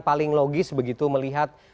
paling logis begitu melihat